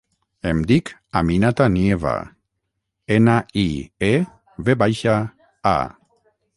Em dic Aminata Nieva: ena, i, e, ve baixa, a.